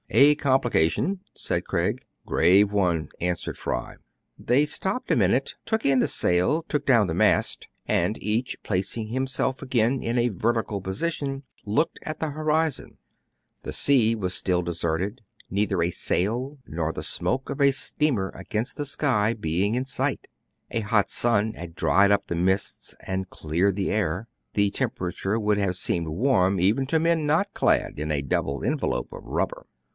" A complication," said Craig. "Grave one," answered Fry. They stopped a minute, took in the sail, took down the mast ; and each, placing himself again in a vertical position, looked at the horizon. The sea was still deserted, neither a sail nor the smoke of a steamer against the sky being in 236 TRIBULATIONS OF A CHINAMAN, sight. A hot sun had dried up the mists, and cleared the air. The temperature would have seemed warm even to men not clad in a double envelope of rubber.